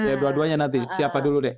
eh dua duanya nanti siapa dulu deh